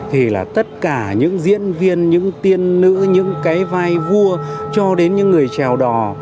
thì là tất cả những diễn viên những tiên nữ những cái vai vua cho đến những người trèo đò